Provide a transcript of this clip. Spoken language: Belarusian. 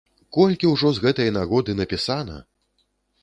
Колькі ўжо з гэтай нагоды напісана!